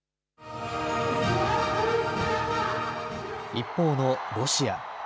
一方のロシア。